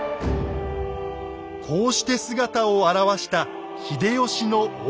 こうして姿を現した秀吉の大坂城。